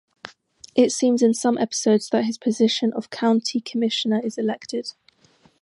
It seems in some episodes that his position of County Commissioner is elected.